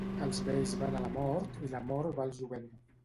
Els vells van a la mort i la mort va al jovent.